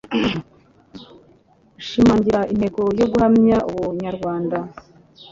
ushimangira intego yo guhamya ubunyarwanda.